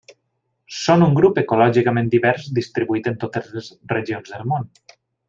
Són un grup ecològicament divers distribuït en totes les regions del món.